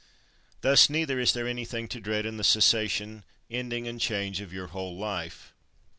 Thus neither is there anything to dread in the cessation, ending, and change of your whole life.